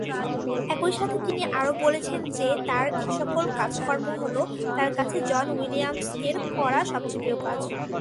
একই সাথে তিনি আরো বলেছেন যে তার এসকল কাজকর্ম হলো তার কাছে জন উইলিয়ামস এর করা সবচেয়ে প্রিয় কাজ।